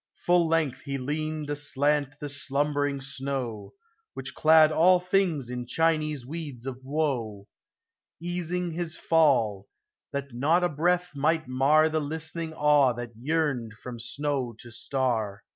Full length he leaned aslant the slumbering snow, Which clad all things in Chinese weeds of woe, Easing his fall — that not a breath might mar The listening awe that yearned from snow to star.